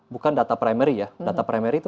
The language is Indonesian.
bukan data primary ya data primer itu